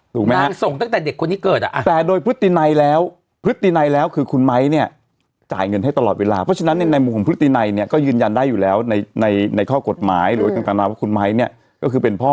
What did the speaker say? ถูกไหมครับแต่โดยพฤติในแล้วพฤติในแล้วคือคุณไม้เนี่ยจ่ายเงินให้ตลอดเวลาเพราะฉะนั้นในมุมพฤติในเนี่ยก็ยืนยันได้อยู่แล้วในข้อกฎหมายหรือกันตามว่าคุณไม้เนี่ยก็คือเป็นพ่อ